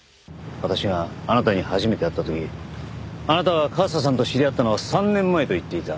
私があなたに初めて会った時あなたは和沙さんと知り合ったのは３年前と言っていた。